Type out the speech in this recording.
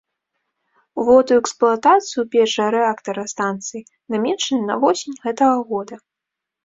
Увод у эксплуатацыю першага рэактара станцыі намечаны на восень гэтага года.